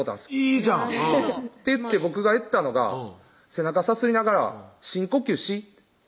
いいじゃんっていって僕が言ったのが背中さすりながら「深呼吸し」って